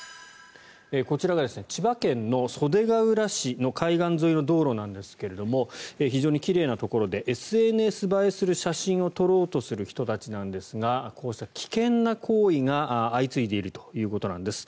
こちらが千葉県の袖ケ浦市の海岸沿いの道路なんですが非常に奇麗なところでＳＮＳ映えする写真を撮ろうとする人たちなんですがこうした危険な行為が相次いでいるということです。